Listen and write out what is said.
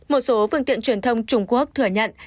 một số phương tiện truyền thông trung quốc thừa nhận